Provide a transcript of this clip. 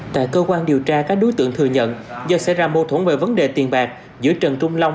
tại cơ quan điều tra các đối tượng thừa nhận do xảy ra mâu thuẫn về vấn đề tiền bạc giữa trần trung long